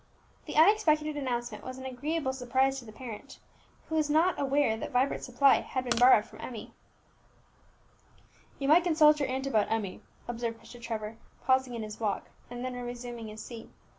The unexpected announcement was an agreeable surprise to the parent, who was not aware that Vibert's supply had been borrowed from Emmie. "You might consult your aunt about Emmie," observed Mr. Trevor, pausing in his walk, and then resuming his seat.